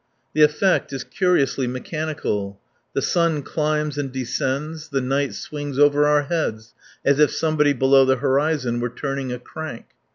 The effect is curiously mechanical; the sun climbs and descends, the night swings over our heads as if somebody below the horizon were turning a crank.